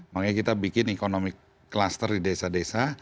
makanya kita bikin economic cluster di desa desa